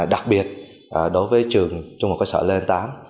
đặc biệt đối với trường trung học cơ sở len tám